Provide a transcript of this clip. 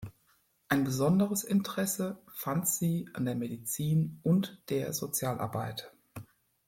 Ein besonderes Interesse fand sie an der Medizin und der Sozialarbeit.